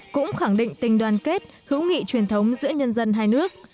cũng khẳng định tình đoàn kết hữu nghị truyền thống giữa nhân dân hai nước